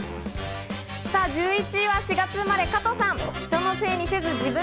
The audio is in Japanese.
１１位は４月生まれ、加藤さん。